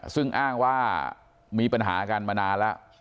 ซึ่งอ้างว่ามีปัญหากันมานานแล้ว